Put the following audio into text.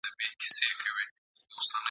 په قفس پسي یی وکړل ارمانونه !.